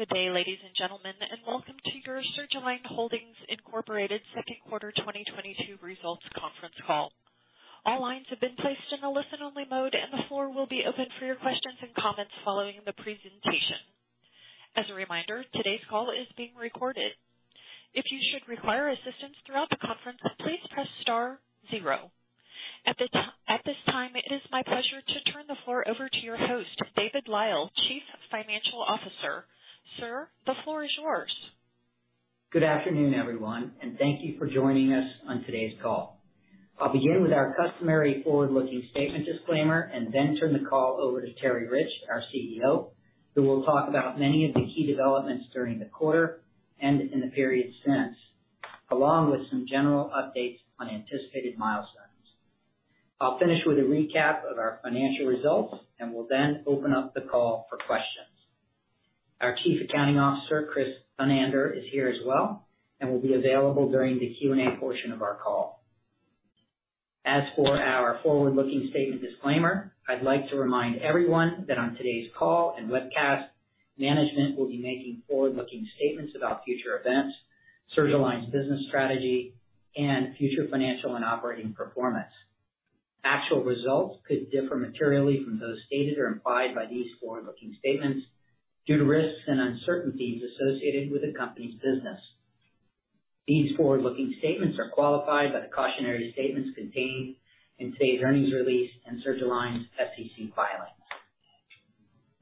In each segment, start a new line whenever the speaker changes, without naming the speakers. Good day ladies and gentlemen, and welcome to your Surgalign Holdings, Inc. second quarter 2022 results conference call. All lines have been placed in a listen-only mode, and the floor will be open for your questions and comments following the presentation. As a reminder today's call is being recorded. If you should require assistance throughout the conference, please press star zero. At this time, it is my pleasure to turn the floor over to your host, David Lyle, Chief Financial Officer. Sir, the floor is yours.
Good afternoon everyone, and thank you for joining us on today's call. I'll begin with our customary forward-looking statement disclaimer and then turn the call over to Terry Rich, our CEO, who will talk about many of the key developments during the quarter and in the period since, along with some general updates on anticipated milestones. I'll finish with a recap of our financial results, and we'll then open up the call for questions. Our Chief Accounting Officer, Chris Thunander, is here as well and will be available during the Q&A portion of our call. As for our forward-looking statement disclaimer, I'd like to remind everyone that on today's call and webcast, management will be making forward-looking statements about future events, Surgalign's business strategy, and future financial and operating performance. Actual results could differ materially from those stated or implied by these forward-looking statements due to risks and uncertainties associated with the company's business. These forward-looking statements are qualified by the cautionary statements contained in today's earnings release and Surgalign's SEC filings.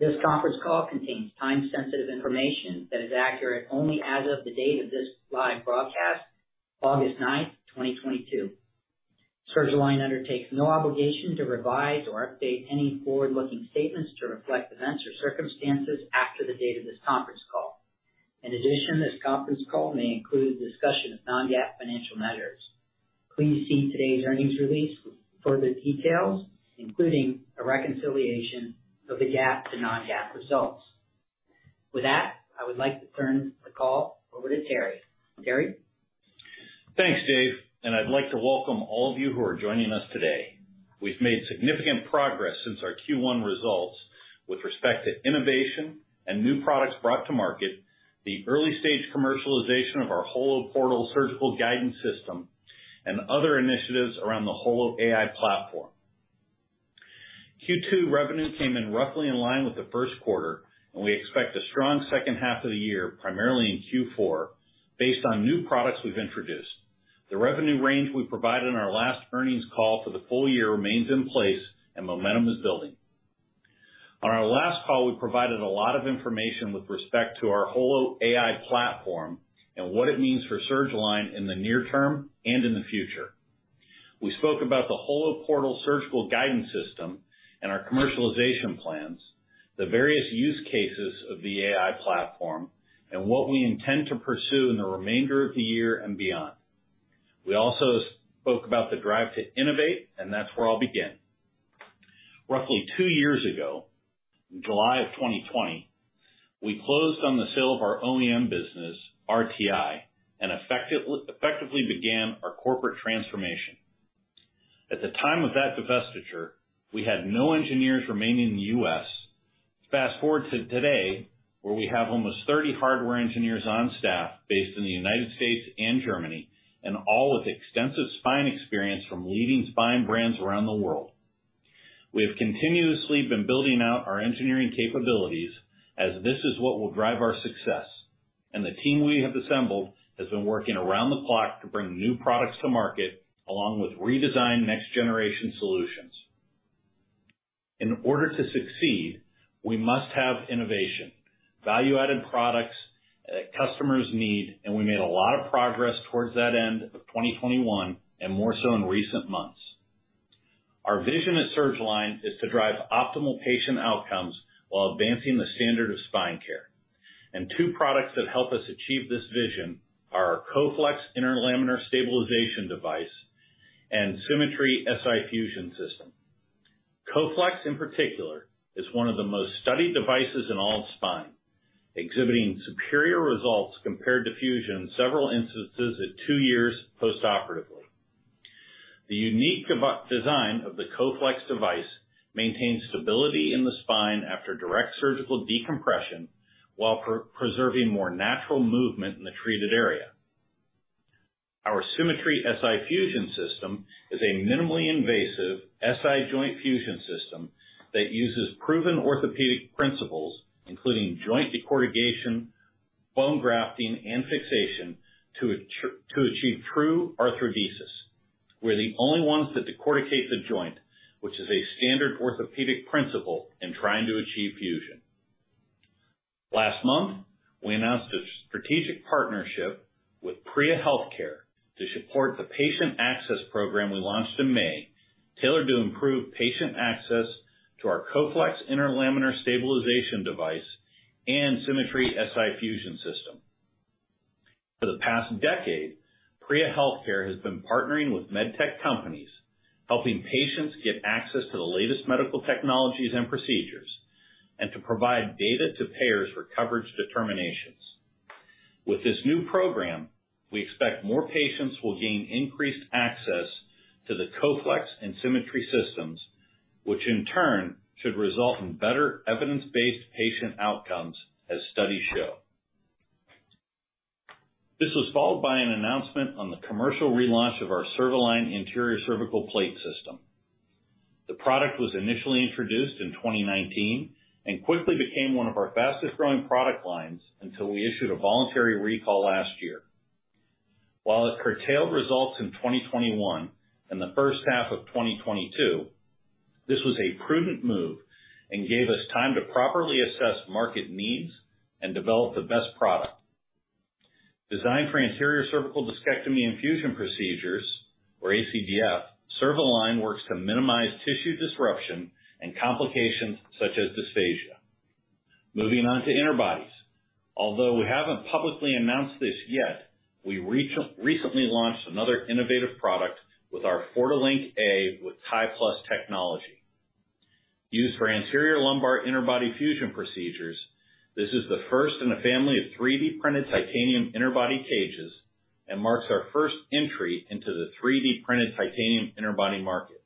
This conference call contains time-sensitive information that is accurate only as of the date of this live broadcast, August 9th, 2022. Surgalign undertakes no obligation to revise or update any forward-looking statements to reflect events or circumstances after the date of this conference call. In addition, this conference call may include a discussion of non-GAAP financial measures. Please see today's earnings release for further details, including a reconciliation of the GAAP to non-GAAP results. With that, I would like to turn the call over to Terry. Terry?
Thanks, David, and I'd like to welcome all of you who are joining us today. We've made significant progress since our Q1 results with respect to innovation and new products brought to market, the early-stage commercialization of our HOLO Portal surgical guidance system, and other initiatives around the HOLO AI platform. Q2 revenue came in roughly in line with the first quarter, and we expect a strong second half of the year, primarily in Q4, based on new products we've introduced. The revenue range we provided in our last earnings call for the full year remains in place and momentum is building. On our last call, we provided a lot of information with respect to our HOLO AI platform and what it means for Surgalign in the near term and in the future. We spoke about the HOLO Portal surgical guidance system and our commercialization plans, the various use cases of the AI platform, and what we intend to pursue in the remainder of the year and beyond. We also spoke about the drive to innovate, and that's where I'll begin. Roughly two years ago, in July 2020, we closed on the sale of our OEM business, RTI and effectively began our corporate transformation. At the time of that divestiture, we had no engineers remaining in the U.S. Fast-forward to today, where we have almost 30 hardware engineers on staff based in the United States and Germany, and all with extensive spine experience from leading spine brands around the world. We have continuously been building out our engineering capabilities as this is what will drive our success, and the team we have assembled has been working around the clock to bring new products to market, along with redesigned next generation solutions. In order to succeed, we must have innovation, value-added products, customers need, and we made a lot of progress towards that end of 2021, and more so in recent months. Our vision at Surgalign is to drive optimal patient outcomes while advancing the standard of spine care. Two products that help us achieve this vision are our Coflex Interlaminar Stabilization device and SImmetry SI Joint Fusion system. Coflex, in particular, is one of the most studied devices in all of spine, exhibiting superior results compared to fusion in several instances at two years post-operatively. The unique device design of the Coflex device maintains stability in the spine after direct surgical decompression while preserving more natural movement in the treated area. Our SImmetry SI Joint Fusion system is a minimally invasive SI joint fusion system that uses proven orthopedic principles, including joint decortication, bone grafting, and fixation to achieve true arthrodesis. We're the only ones that decorticate the joint which is a standard orthopedic principle in trying to achieve fusion. Last month, we announced a strategic partnership with PRIA Healthcare to support the patient access program we launched in May, tailored to improve patient access to our Coflex Interlaminar Stabilization device and SImmetry SI Joint Fusion system. For the past decade, PRIA Healthcare has been partnering with MedTech companies, helping patients get access to the latest medical technologies and procedures, and to provide data to payers for coverage determinations. With this new program, we expect more patients will gain increased access to the Coflex and SImmetry systems, which in turn should result in better evidence-based patient outcomes, as studies show. This was followed by an announcement on the commercial relaunch of our CervAlign anterior cervical plate system. The product was initially introduced in 2019 and quickly became one of our fastest-growing product lines until we issued a voluntary recall last year. While it curtailed results in 2021 and the first half of 2022, this was a prudent move and gave us time to properly assess market needs and develop the best product. Designed for anterior cervical discectomy and fusion procedures, or ACDF, CervAlign works to minimize tissue disruption and complications such as dysphagia. Moving on to interbodies. Although we haven't publicly announced this yet, we recently launched another innovative product with our Fortilink-A with TiPlus technology. Used for anterior lumbar interbody fusion procedures, this is the first in a family of 3D-printed titanium interbody cages and marks our first entry into the 3D-printed titanium interbody market.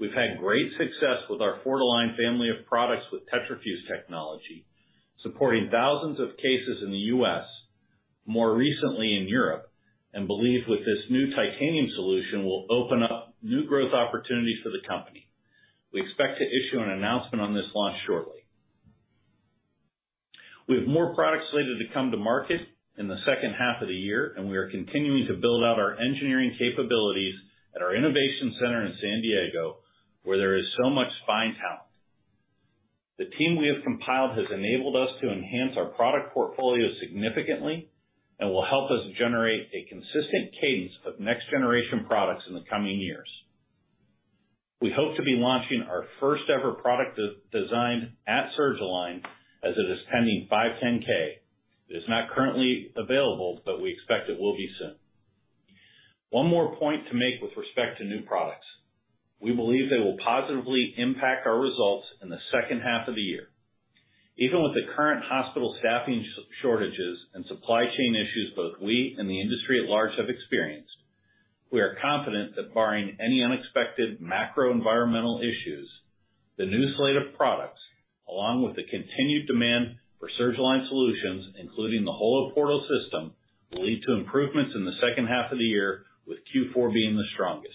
We've had great success with our Fortilink family of products with TETRAfuse technology supporting thousands of cases in the U.S., more recently in Europe, and believe with this new titanium solution will open up new growth opportunities for the company. We expect to issue an announcement on this launch shortly. We have more products slated to come to market in the second half of the year and we are continuing to build out our engineering capabilities at our innovation center in San Diego where there is so much fine talent. The team we have compiled has enabled us to enhance our product portfolio significantly and will help us generate a consistent cadence of next-generation products in the coming years. We hope to be launching our first ever product designed at Surgalign as it is pending 510(k). It is not currently available, but we expect it will be soon. One more point to make with respect to new products. We believe they will positively impact our results in the second half of the year. Even with the current hospital staffing shortages and supply chain issues both we and the industry at large have experienced, we are confident that barring any unexpected macro environmental issues, the new slate of products, along with the continued demand for Surgalign solutions including the HOLO Portal system, will lead to improvements in the second half of the year with Q4 being the strongest.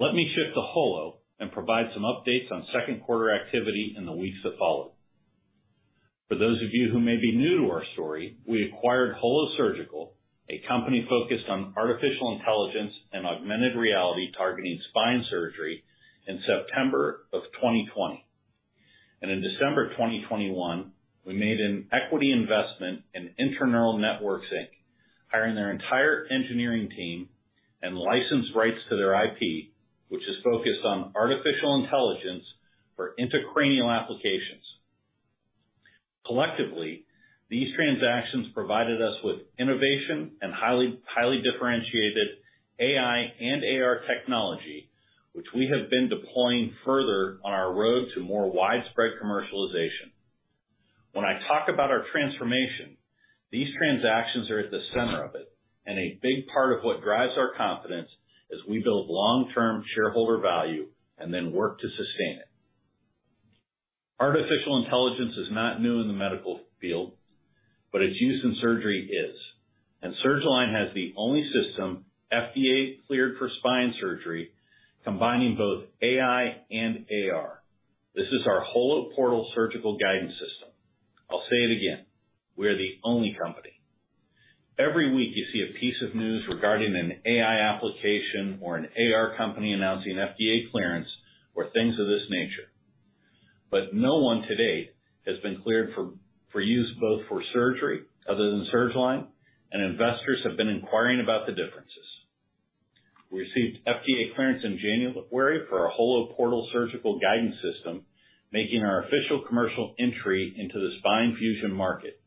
Let me shift to Holo and provide some updates on second quarter activity in the weeks that followed. For those of you who may be new to our story, we acquired Holo Surgical, a company focused on artificial intelligence and augmented reality targeting spine surgery, in September of 2020. In December 2021, we made an equity investment in Inteneural Networks Inc., hiring their entire engineering team and license rights to their IP, which is focused on artificial intelligence for intracranial applications. Collectively, these transactions provided us with innovation and highly differentiated AI and AR technology which we have been deploying further on our road to more widespread commercialization. When I talk about our transformation, these transactions are at the center of it and a big part of what drives our confidence as we build long-term shareholder value and then work to sustain it. Artificial intelligence is not new in the medical field, but its use in surgery is. Surgalign has the only system FDA-cleared for spine surgery, combining both AI and AR. This is our HOLO Portal surgical guidance system. I'll say it again, we are the only company. Every week you see a piece of news regarding an AI application or an AR company announcing an FDA clearance or things of this nature. No one to date has been cleared for use both for surgery, other than Surgalign and investors have been inquiring about the differences. We received FDA clearance in January for our HOLO Portal surgical guidance system, making our official commercial entry into the spine fusion market.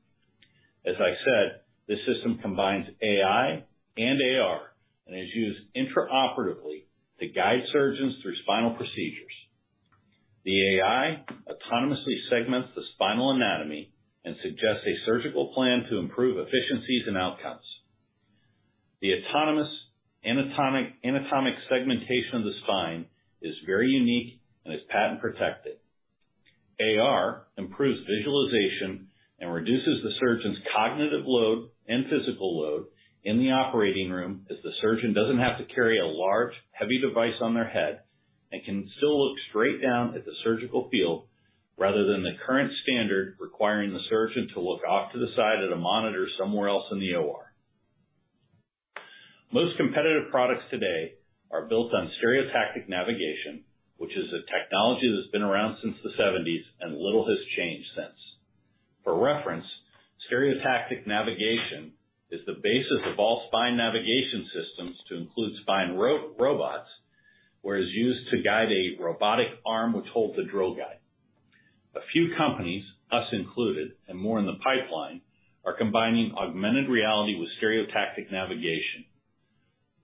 As I said, this system combines AI and AR and is used intraoperatively to guide surgeons through spinal procedures. The AI autonomously segments the spinal anatomy and suggests a surgical plan to improve efficiencies and outcomes. The autonomous anatomic segmentation of the spine is very unique and is patent-protected. AR improves visualization and reduces the surgeon's cognitive load and physical load in the operating room, as the surgeon doesn't have to carry a large, heavy device on their head and can still look straight down at the surgical field rather than the current standard requiring the surgeon to look off to the side at a monitor somewhere else in the OR. Most competitive products today are built on stereotactic navigation which is a technology that's been around since the seventies and little has changed since. For reference stereotactic navigation is the basis of all spine navigation systems to include spine robots, where it's used to guide a robotic arm which holds the drill guide. A few companies, us included, and more in the pipeline, are combining augmented reality with stereotactic navigation,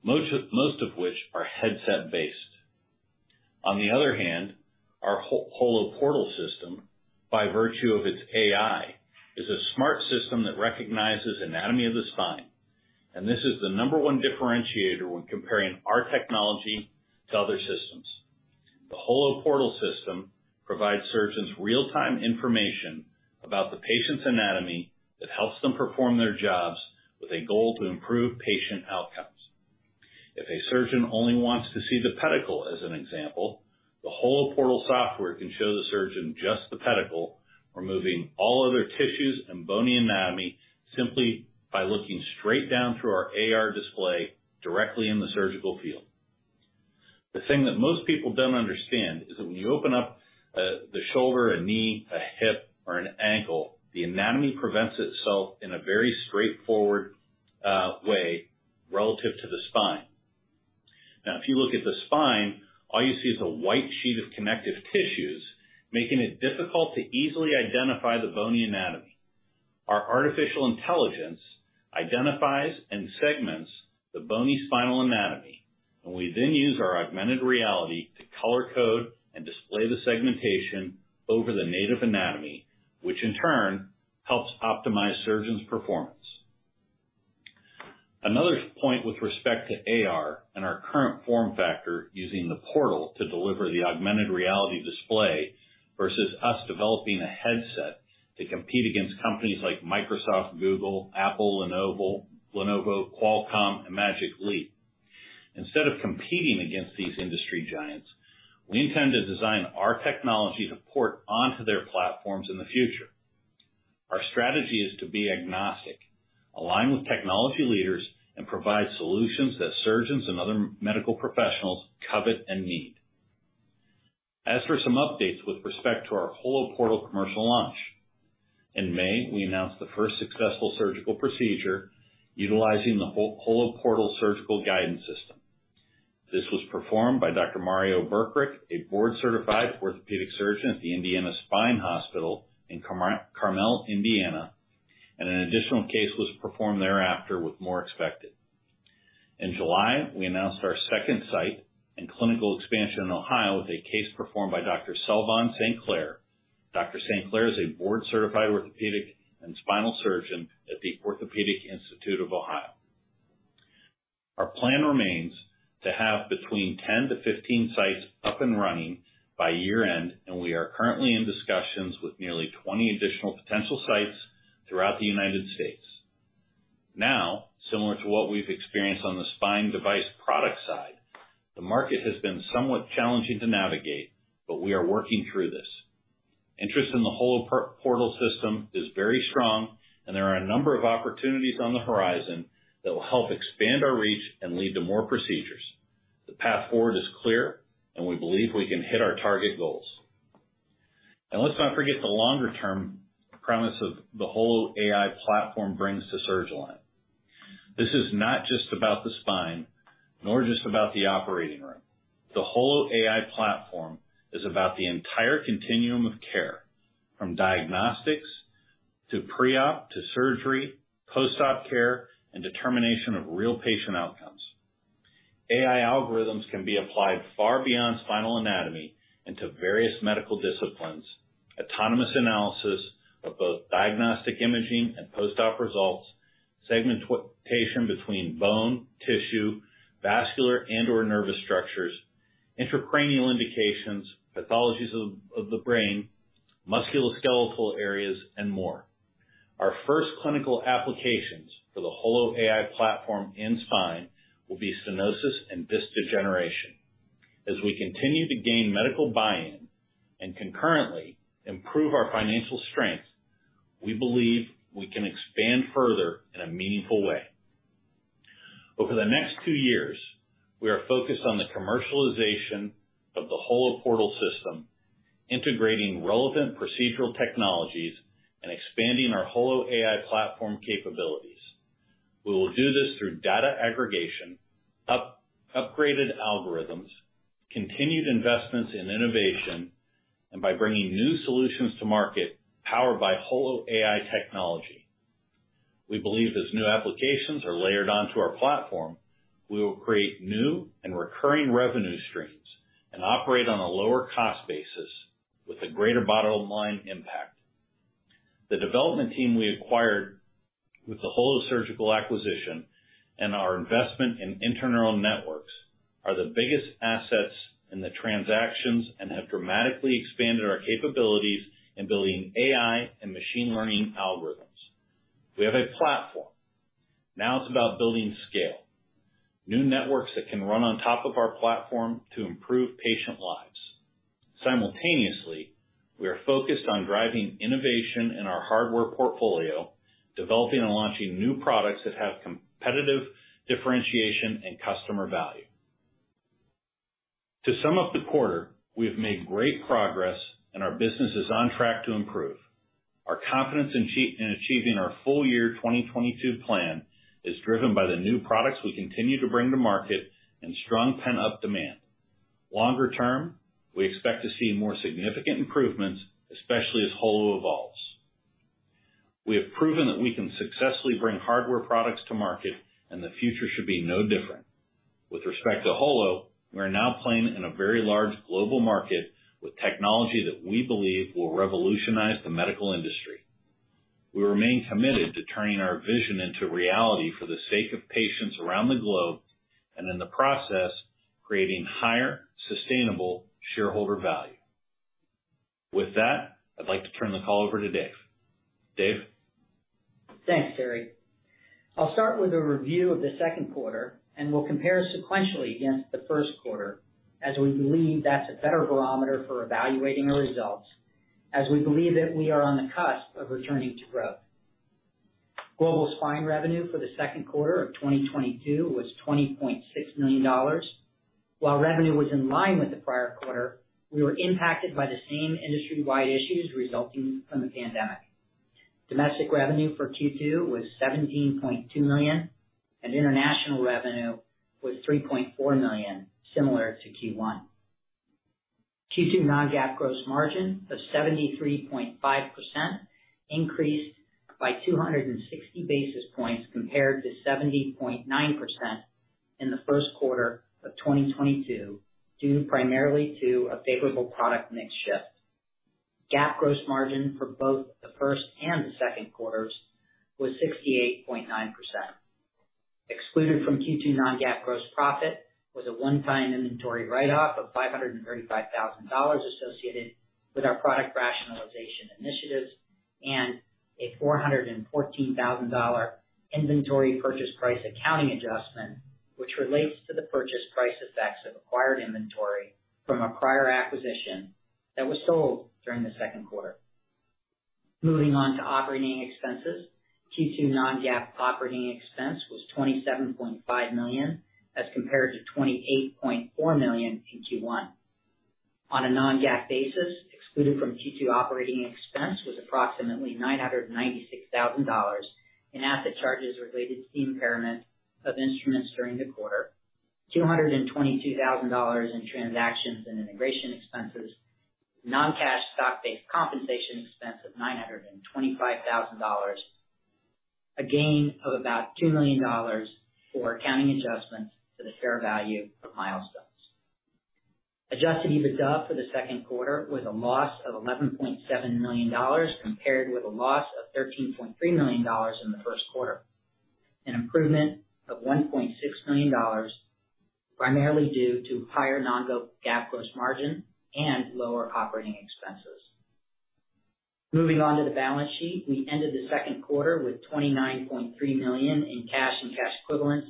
most of which are headset-based. On the other hand, our HOLO Portal system, by virtue of its AI, is a smart system that recognizes anatomy of the spine, and this is the number one differentiator when comparing our technology to other systems. The HOLO Portal system provides surgeons real-time information about the patient's anatomy that helps them perform their jobs with a goal to improve patient outcomes. If a surgeon only wants to see the pedicle, as an example, the HOLO Portal software can show the surgeon just the pedicle removing all other tissues and bony anatomy simply by looking straight down through our AR display directly in the surgical field. The thing that most people don't understand is that when you open up, the shoulder, a knee, a hip, or an ankle, the anatomy presents itself in a very straightforward, way relative to the spine. Now, if you look at the spine, all you see is a white sheet of connective tissues, making it difficult to easily identify the bony anatomy. Our artificial intelligence identifies and segments the bony spinal anatomy, and we then use our augmented reality to color-code and display the segmentation over the native anatomy which in turn helps optimize surgeons' performance. Another point with respect to AR and our current form factor using the portal to deliver the augmented reality display versus us developing a headset to compete against companies like Microsoft, Google, Apple, Lenovo, Qualcomm, and Magic Leap. Instead of competing against these industry giants we intend to design our technology to port onto their platforms in the future. Our strategy is to be agnostic, align with technology leaders, and provide solutions that surgeons and other medical professionals covet and need. As for some updates with respect to our HOLO Portal commercial launch, in May, we announced the first successful surgical procedure utilizing the HOLO Portal surgical guidance system. This was performed by Dr. Mario Brkaric, a board-certified orthopedic surgeon at the Indiana Spine Hospital in Carmel, Indiana, and an additional case was performed thereafter with more expected. In July, we announced our second site and clinical expansion in Ohio, with a case performed by Dr. Selvon St. Clair. Dr. St. Clair is a board-certified orthopedic and spinal surgeon at the Orthopaedic Institute of Ohio. Our plan remains to have between 10-15 sites up and running by year-end, and we are currently in discussions with nearly 20 additional potential sites throughout the United States. Now similar to what we've experienced on the spine device product side, the market has been somewhat challenging to navigate, but we are working through this. Interest in the HOLO Portal system is very strong, and there are a number of opportunities on the horizon that will help expand our reach and lead to more procedures. The path forward is clear, and we believe we can hit our target goals. Let's not forget the longer term premise of the HOLO AI platform brings to Surgalign. This is not just about the spine, nor just about the operating room. The HOLO AI platform is about the entire continuum of care, from diagnostics to pre-op, to surgery, post-op care, and determination of real patient outcomes. AI algorithms can be applied far beyond spinal anatomy into various medical disciplines. Autonomous analysis of both diagnostic imaging and post-op results, segmentation between bone, tissue, vascular, and/or nervous structures, intracranial indications, pathologies of the brain, musculoskeletal areas, and more. Our first clinical applications for the HOLO AI platform in spine will be stenosis and disc degeneration. As we continue to gain medical buy-in and concurrently improve our financial strength, we believe we can expand further in a meaningful way. Over the next two years, we are focused on the commercialization of the HOLO Portal system, integrating relevant procedural technologies and expanding our HOLO AI platform capabilities. We will do this through data aggregation, upgraded algorithms, continued investments in innovation, and by bringing new solutions to market powered by HOLO AI technology. We believe as new applications are layered onto our platform, we will create new and recurring revenue streams and operate on a lower cost basis with a greater bottom line impact. The development team we acquired with the Holo Surgical acquisition and our investment in Inteneural Networks are the biggest assets in the transactions and have dramatically expanded our capabilities in building AI and machine learning algorithms. We have a platform. Now it's about building scale. New networks that can run on top of our platform to improve patient lives. Simultaneously, we are focused on driving innovation in our hardware portfolio, developing and launching new products that have competitive differentiation and customer value. To sum up the quarter we have made great progress and our business is on track to improve. Our confidence in achieving our full year 2022 plan is driven by the new products we continue to bring to market and strong pent-up demand. Longer-term, we expect to see more significant improvements, especially as HOLO evolves. We have proven that we can successfully bring hardware products to market, and the future should be no different. With respect to HOLO, we are now playing in a very large global market with technology that we believe will revolutionize the medical industry. We remain committed to turning our vision into reality for the sake of patients around the globe, and in the process, creating higher, sustainable shareholder value. With that, I'd like to turn the call over to David. David?
Thanks, Terry. I'll start with a review of the second quarter, and we'll compare sequentially against the first quarter as we believe that's a better barometer for evaluating our results, as we believe that we are on the cusp of returning to growth. Global spine revenue for the second quarter of 2022 was $20.6 million. While revenue was in line with the prior quarter, we were impacted by the same industry-wide issues resulting from the pandemic. Domestic revenue for Q2 was $17.2 million and international revenue was $3.4 million similar to Q1. Q2 non-GAAP gross margin of 73.5% increased by 260 basis points compared to 70.9% in the first quarter of 2022, due primarily to a favorable product mix shift. GAAP gross margin for both the first and the second quarters was 68.9%. Excluded from Q2 non-GAAP gross profit was a one-time inventory write-off of $535,000 associated with our product rationalization initiatives, and a $414,000 inventory purchase price accounting adjustment, which relates to the purchase price effects of acquired inventory from a prior acquisition that was sold during the second quarter. Moving on to operating expenses. Q2 non-GAAP operating expense was $27.5 million, as compared to $28.4 million in Q1. On a non-GAAP basis, excluded from Q2 operating expense was approximately $996,000 in asset charges related to the impairment of instruments during the quarter, $222,000 in transactions and integration expenses, non-cash stock-based compensation expense of $925,000, a gain of about $2 million for accounting adjustments to the fair value of milestones. Adjusted EBITDA for the second quarter was a loss of $11.7 million, compared with a loss of $13.3 million in the first quarter, an improvement of $1.6 million, primarily due to higher non-GAAP gross margin and lower operating expenses. Moving on to the balance sheet. We ended the second quarter with $29.3 million in cash and cash equivalents,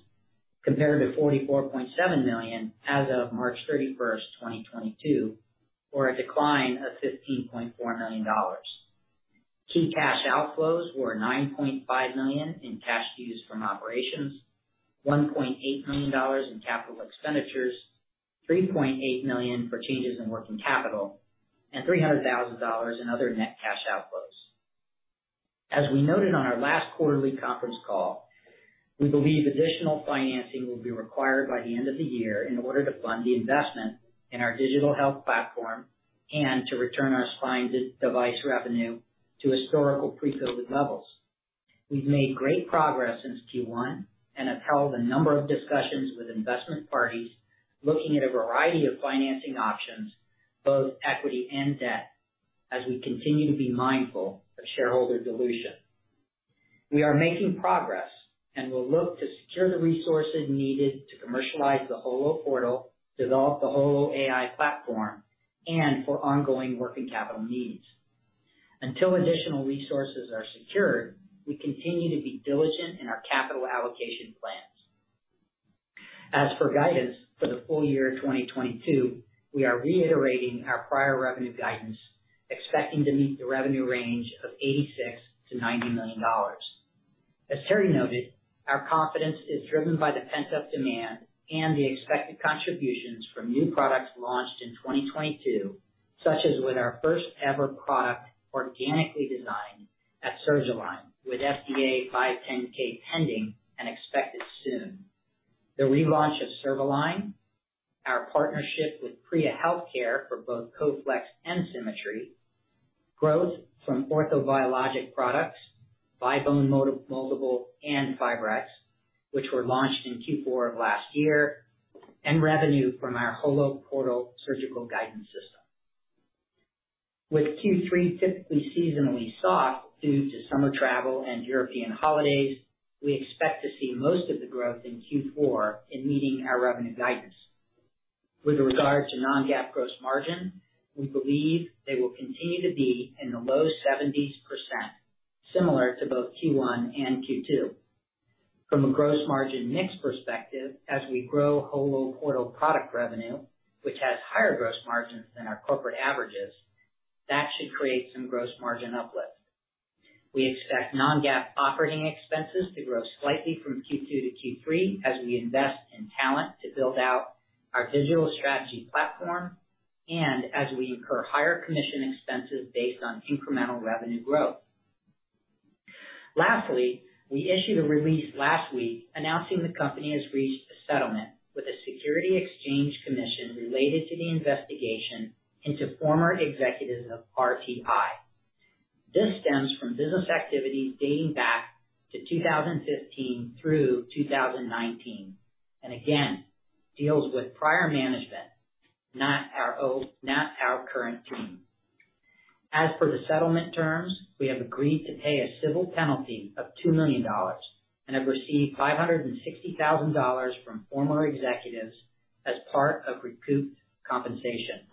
compared to $44.7 million as of March 31, 2022, or a decline of $15.4 million. Key cash outflows were $9.5 million in cash used from operations, $1.8 million in capital expenditures, $3.8 million for changes in working capital, and $300,000 in other net cash outflows. We noted on our last quarterly conference call we believe additional financing will be required by the end of the year in order to fund the investment in our digital health platform and to return our spine device revenue to historical pre-COVID levels. We've made great progress since Q1 and have held a number of discussions with investment parties looking at a variety of financing options, both equity and debt, as we continue to be mindful of shareholder dilution. We are making progress and will look to secure the resources needed to commercialize the HOLO Portal, develop the HOLO AI platform, and for ongoing working capital needs. Until additional resources are secured, we continue to be diligent in our capital allocation plans. As for guidance for the full year 2022, we are reiterating our prior revenue guidance, expecting to meet the revenue range of $86 million-$90 million. As Terry noted, our confidence is driven by the pent-up demand and the expected contributions from new products launched in 2022, such as with our first ever product organically designed at Surgalign, with FDA 510(k) pending and expected soon. The relaunch of Surgalign, our partnership with PRIA Healthcare for both Coflex and SImmetry, growth from orthobiologic products, ViBone Moldable, and FibreX, which were launched in Q4 of last year, and revenue from our HOLO Portal surgical guidance system. With Q3 typically seasonally soft due to summer travel and European holidays, we expect to see most of the growth in Q4 in meeting our revenue guidance. With regard to non-GAAP gross margin, we believe they will continue to be in the low 70%s, similar to both Q1 and Q2. From a gross margin mix perspective, as we grow HOLO Portal product revenue, which has higher gross margins than our corporate averages, that should create some gross margin uplift. We expect non-GAAP operating expenses to grow slightly from Q2 to Q3 as we invest in talent to build out our digital strategy platform and as we incur higher commission expenses based on incremental revenue growth. Lastly, we issued a release last week announcing the company has reached a settlement with the Securities and Exchange Commission related to the investigation into former executives of RTI. This stems from business activities dating back to 2015 through 2019 and again deals with prior management, not our current team. As for the settlement terms, we have agreed to pay a civil penalty of $2 million and have received $560,000 from former executives as part of recouped compensation.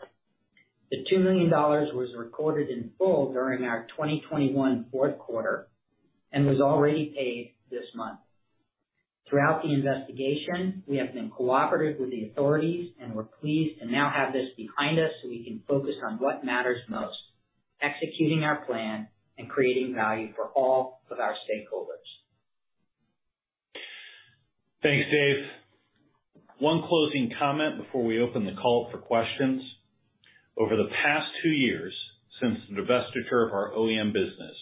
The $2 million was recorded in full during our 2021 fourth quarter and was already paid this month. Throughout the investigation, we have been cooperative with the authorities, and we're pleased to now have this behind us so we can focus on what matters most, executing our plan and creating value for all of our stakeholders.
Thanks, Dave. One closing comment before we open the call for questions. Over the past two years since the divestiture of our OEM business,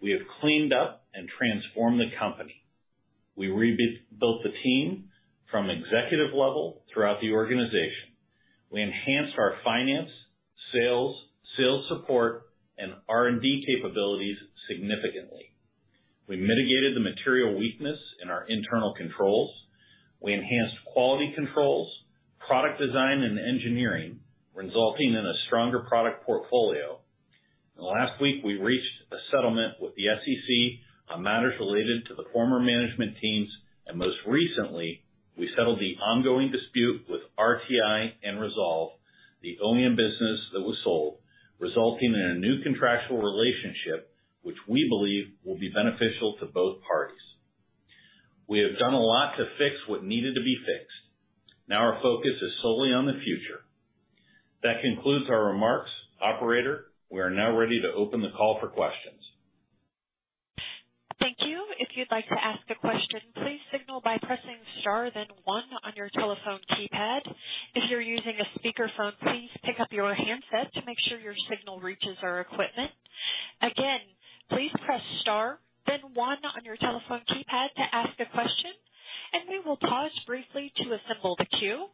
we have cleaned up and transformed the company. We rebuilt the team from executive level throughout the organization. We enhanced our finance, sales support, and R&D capabilities significantly. We mitigated the material weakness in our internal controls. We enhanced quality controls, product design, and engineering, resulting in a stronger product portfolio. Last week we reached a settlement with the SEC on matters related to the former management teams, and most recently, we settled the ongoing dispute with RTI and resolved the OEM business that was sold, resulting in a new contractual relationship which we believe will be beneficial to both parties. We have done a lot to fix what needed to be fixed. Now our focus is solely on the future. That concludes our remarks. Operator, we are now ready to open the call for questions.
Thank you. If you'd like to ask a question, please signal by pressing star then one on your telephone keypad. If you're using a speakerphone, please pick up your handset to make sure your signal reaches our equipment. Again, please press star then one on your telephone keypad to ask a question, and we will pause briefly to assemble the queue.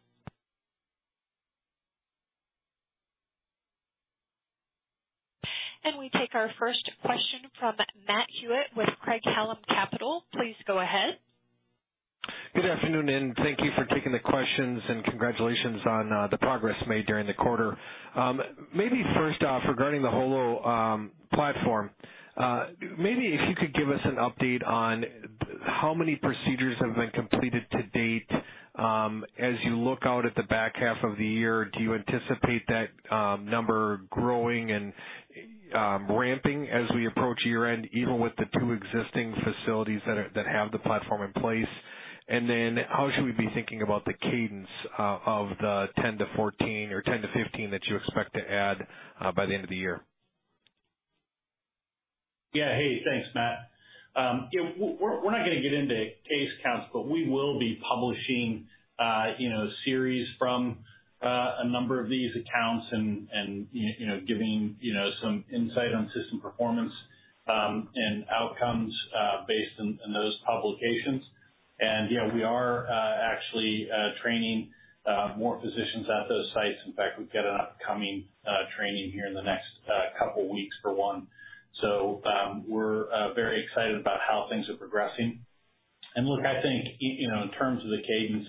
We take our first question from Matt Hewitt with Craig-Hallum Capital. Please go ahead.
Good afternoon, and thank you for taking the questions and congratulations on the progress made during the quarter. Maybe first off, regarding the HOLO platform, maybe if you could give us an update on how many procedures have been completed to date. As you look out at the back half of the year, do you anticipate that number growing and ramping as we approach year-end, even with the two existing facilities that have the platform in place? How should we be thinking about the cadence of the 10-14 or 10-15 that you expect to add by the end of the year?
Yeah. Hey, thanks, Matt. Yeah, we're not gonna get into case counts, but we will be publishing, you know, series from a number of these accounts and you know, giving you know, some insight on system performance and outcomes based on those publications. Yeah, we are actually training more physicians at those sites. In fact, we've got an upcoming training here in the next couple weeks for one. We're very excited about how things are progressing. Look, I think in you know, in terms of the cadence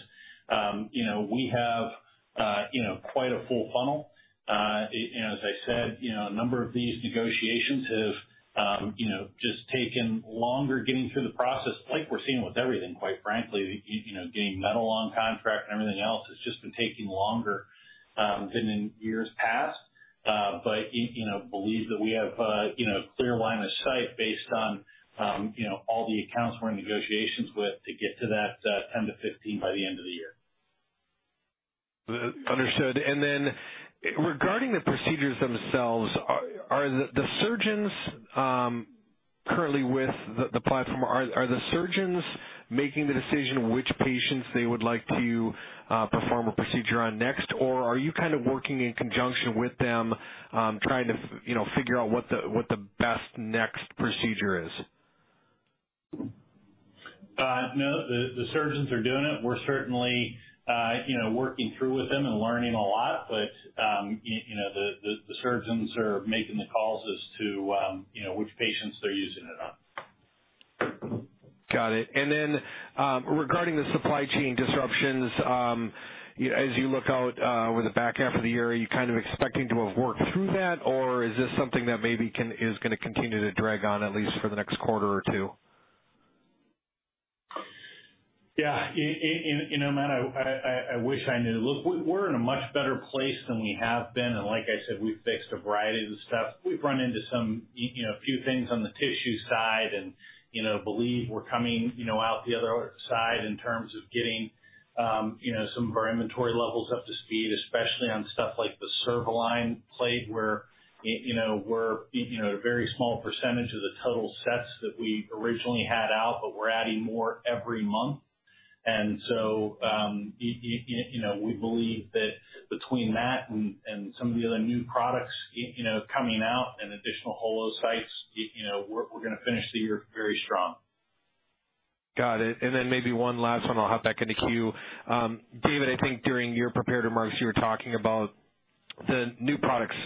you know, we have you know, quite a full funnel. And as I said, you know, a number of these negotiations have you know, just taken longer getting through the process like we're seeing with everything, quite frankly. You know, getting metal on contract and everything else has just been taking longer than in years past. You know, I believe that we have, you know, clear line of sight based on, you know, all the accounts we're in negotiations with to get to that 10-15 by the end of the year.
Understood. Regarding the procedures themselves, are the surgeons currently with the platform? Are the surgeons making the decision which patients they would like to perform a procedure on next, or are you kind of working in conjunction with them, trying to, you know, figure out what the best next procedure is?
No, the surgeons are doing it. We're certainly, you know, working through with them and learning a lot, but, you know, the surgeons are making the calls as to, you know, which patients they're using it on.
Got it. Regarding the supply chain disruptions, as you look out over the back half of the year, are you kind of expecting to have worked through that, or is this something that maybe is gonna continue to drag on at least for the next quarter or two?
Yeah. In, you know, Matt, I wish I knew. Look, we're in a much better place than we have been. Like I said, we've fixed a variety of the stuff. We've run into some, you know, a few things on the tissue side and, you know, believe we're coming, you know, out the other side in terms of getting, you know, some of our inventory levels up to speed, especially on stuff like the CervAlign plate, where you know, we're, you know, a very small percentage of the total sets that we originally had out, but we're adding more every month. You know, we believe that between that and some of the other new products, you know, coming out and additional HOLO sites, you know, we're gonna finish the year very strong.
Got it. Maybe one last one, I'll hop back in the queue. David, I think during your prepared remarks, you were talking about the new products,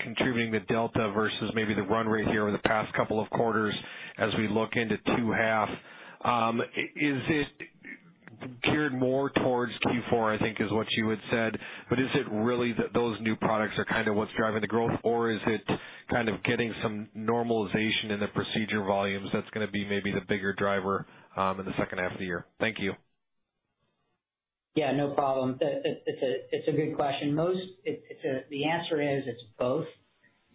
contributing the delta versus maybe the run rate here over the past couple of quarters as we look into 2H. Is it geared more towards Q4, I think is what you had said, but is it really those new products are kinda what's driving the growth or is it kind of getting some normalization in the procedure volumes that's gonna be maybe the bigger driver, in the second half of the year? Thank you.
Yeah, no problem. It's a good question. The answer is it's both.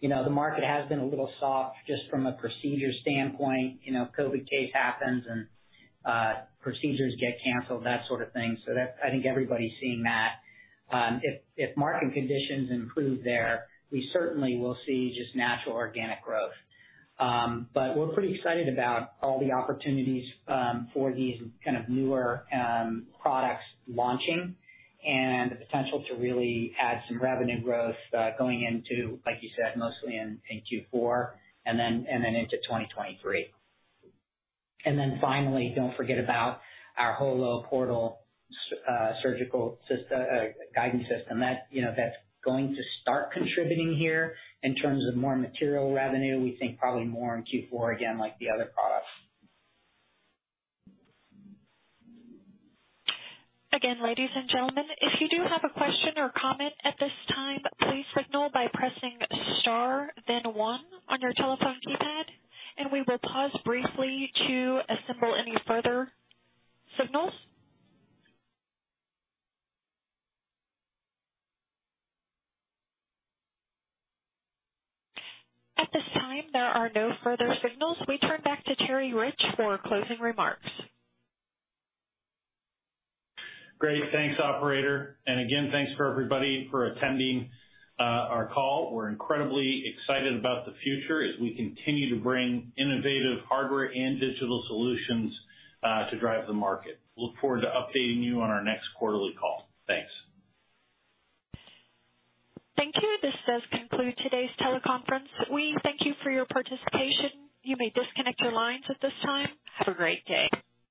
You know, the market has been a little soft just from a procedure standpoint. You know, COVID case happens and procedures get canceled, that sort of thing. That's. I think everybody's seeing that. If market conditions improve there, we certainly will see just natural organic growth. But we're pretty excited about all the opportunities for these kind of newer products launching and the potential to really add some revenue growth going into, like you said, mostly in Q4 and then into 2023. Finally, don't forget about our HOLO Portal surgical guidance system. That, you know, that's going to start contributing here in terms of more material revenue. We think probably more in Q4, again, like the other products.
Again, ladies and gentlemen, if you do have a question or comment at this time, please signal by pressing star then one on your telephone keypad, and we will pause briefly to assemble any further signals. At this time, there are no further signals. We turn back to Terry Rich for closing remarks.
Great. Thanks, operator. Again, thanks for everybody for attending, our call. We're incredibly excited about the future as we continue to bring innovative hardware and digital solutions, to drive the market. Look forward to updating you on our next quarterly call. Thanks.
Thank you. This does conclude today's teleconference. We thank you for your participation. You may disconnect your lines at this time. Have a great day.